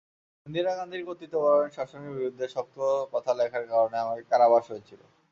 ইন্দিরা গান্ধীর কর্তৃত্বপরায়ণ শাসনের বিরুদ্ধে শক্ত কথা লেখার কারণে আমার কারাবাস হয়েছিল।